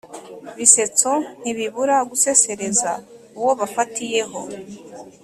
bisetso, ntibibura gusesereza uwo bafatiye ho